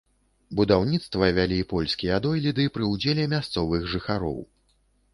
Будаўніцтва вялі польскія дойліды пры ўдзеле мясцовых жыхароў.